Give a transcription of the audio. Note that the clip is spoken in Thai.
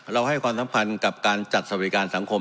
เราให้ความสัมผัสกับการจัดสรรพิการสังคม